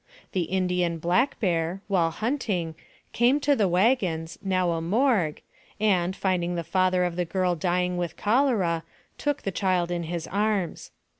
The Indian " Black Bear," while hunting, came to the wagons, now a morgue, and, finding the father of the girl dying with cholera, took the child in his arms.